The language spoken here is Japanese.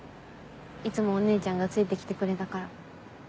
いつもお姉ちゃんがついて来てくれたから。